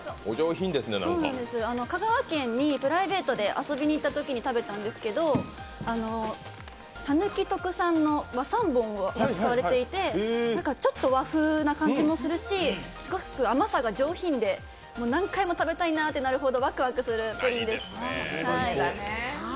香川県にプライベートで遊びにいったときに食べたんですけど讃岐特産の和三盆が使われていてちょっと和風な感じもするしすごく甘さが上品で何回も食べたいなってなるほどワクワクするプリンです。